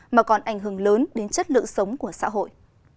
mà còn ảnh hưởng lớn đến chất lượng sống của xã hội